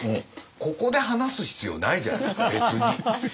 ここで話す必要ないじゃないですか別に。